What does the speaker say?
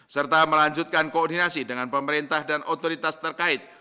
serta melanjutkan koordinasi dengan pemerintah dan otoritas terkait